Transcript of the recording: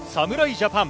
ジャパン。